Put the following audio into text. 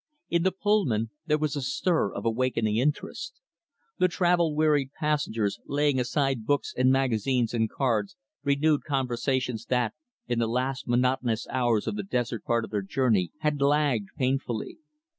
In the Pullman, there was a stir of awakening interest The travel wearied passengers, laying aside books and magazines and cards, renewed conversations that, in the last monotonous hours of the desert part of the journey, had lagged painfully.